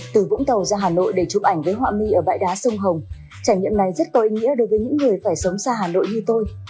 từ vũng tàu ra hà nội để chụp ảnh với họa mi ở bãi đá sông hồng trải nghiệm này rất có ý nghĩa đối với những người phải sống xa hà nội như tôi